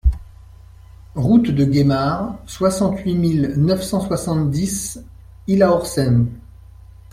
Route de Guémar, soixante-huit mille neuf cent soixante-dix Illhaeusern